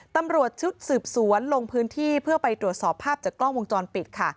ตำรวจชุดสืบสวนลงพื้นที่เพื่อไปตรวจสอบภาพจากกล้องวงจรปิดค่ะ